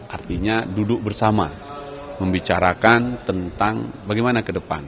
artinya duduk bersama membicarakan tentang bagaimana kedepannya